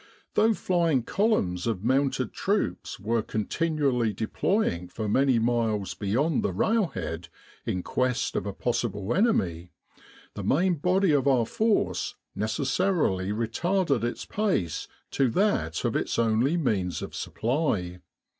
Though flying columns of mounted troops were continually deploying for many miles be yond the railhead in quest of a possible enemy, the main body of our Force necessarily retarded its pace to that of its only means of supply.